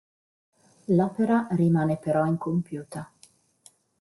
L’opera rimane però incompiuta.